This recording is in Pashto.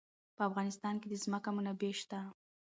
په افغانستان کې د ځمکه منابع شته.